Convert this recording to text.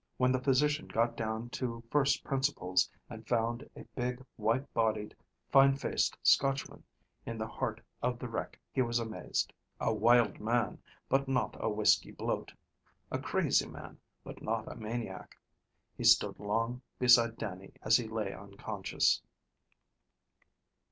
When the physician got down to first principles, and found a big, white bodied, fine faced Scotchman in the heart of the wreck, he was amazed. A wild man, but not a whiskey bloat. A crazy man, but not a maniac. He stood long beside Dannie as he lay unconscious.